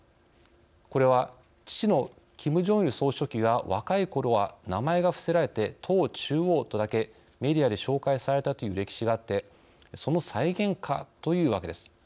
これは父のキム・ジョンイル総書記が若いころは名前が伏せられて党中央とだけメディアで紹介されたという歴史があってその再現かというわけです。